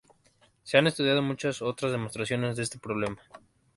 Se han estudiado muchas otras demostraciones de este problema.